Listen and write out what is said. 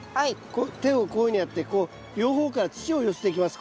手をこういうふうにやって両方から土を寄せていきます